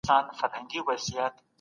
د ښکلا لپاره روغتیا مهمه ده.